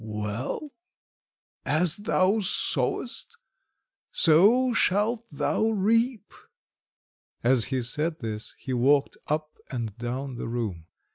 Well, as thou sowest, so shalt thou reap!" As he said this he walked up and down the room.